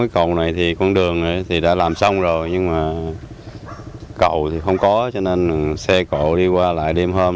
cầu này thì con đường thì đã làm xong rồi nhưng mà cầu thì không có cho nên xe cộ đi qua lại đêm hôm